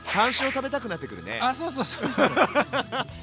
あそうそうそうそう。